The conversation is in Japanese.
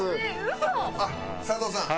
あっ佐藤さん。